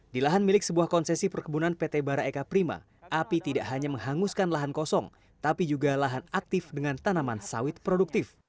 di lahan milik sebuah konsesi perkebunan pt bara eka prima api tidak hanya menghanguskan lahan kosong tapi juga lahan aktif dengan tanaman sawit produktif